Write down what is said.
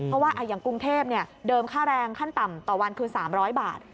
เพราะว่าอย่างกรุงเทพเดิมค่าแรงขั้นต่ำต่อวันคือ๓๐๐บาท